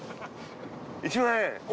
１万円。